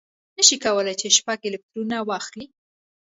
نه شي کولای چې شپږ الکترونه واخلي.